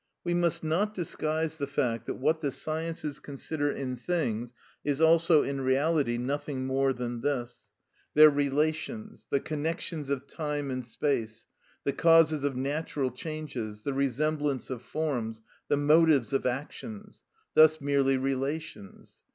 We must not disguise the fact that what the sciences consider in things is also in reality nothing more than this; their relations, the connections of time and space, the causes of natural changes, the resemblance of forms, the motives of actions,—thus merely relations.